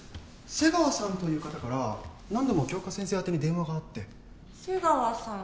瀬川さんという方から何度も杏花先生あてに電話があって瀬川さん